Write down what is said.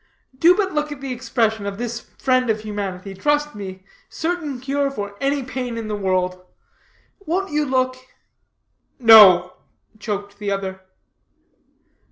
"Do but look at the expression of this friend of humanity. Trust me, certain cure for any pain in the world. Won't you look?" "No," choked the other.